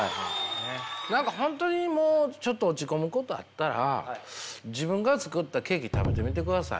何か本当にもうちょっと落ち込むことあったら自分が作ったケーキ食べてみてください。